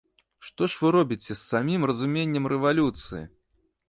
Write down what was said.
Што ж вы робіце з самім разуменнем рэвалюцыі?!